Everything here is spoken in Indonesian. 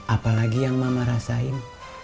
apalagi yang mama rasain